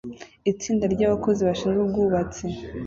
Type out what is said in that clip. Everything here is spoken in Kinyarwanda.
Itsinda ryabakozi bashinzwe ubwubatsi